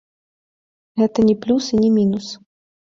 Гэта не плюс і не мінус.